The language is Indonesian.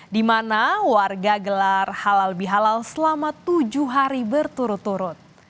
di mana warga gelar halal bihalal selama tujuh hari berturut turut